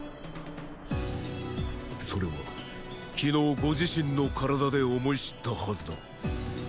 それは昨日ご自身の体で思い知ったはずだ。